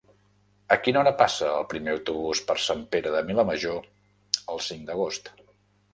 A quina hora passa el primer autobús per Sant Pere de Vilamajor el cinc d'agost?